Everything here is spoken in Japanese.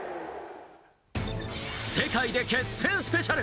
世界で決戦スペシャル。